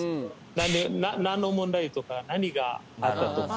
何の問題とか何があったとか。